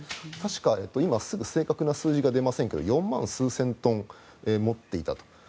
確か今、正確な数字はわかりませんが４万数千トン持っていたと。